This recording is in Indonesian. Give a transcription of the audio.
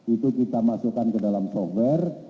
itu kita masukkan ke dalam software